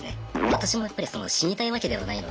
私もやっぱり死にたいわけではないので。